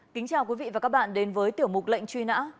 kính chào quý vị và các bạn đến với tiểu mục lệnh truy nã